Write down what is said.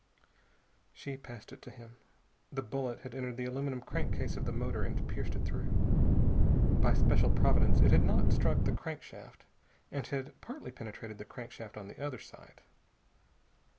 She passed it to him. The bullet had entered the aluminum crankcase of the motor and pierced it through. By special providence it had not struck the crankshaft, and had partly penetrated the crankcase on the other side.